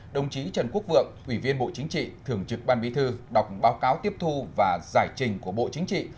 đồng chí trần quốc vượng ủy viên bộ chính trị thường trực ban bí thư đọc báo cáo tiếp thu và giải trình của bộ chính trị